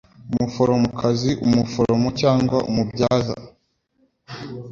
Umoforomokazi umuforomo cyangwa umubyaza